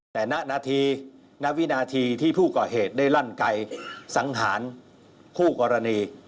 แต่ณวินาทีที่ผู้ก่อเหตุได้ลั่นไกลสังหารคู่กรณี